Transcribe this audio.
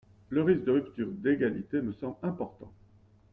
Le risque de rupture d’égalité me semble important.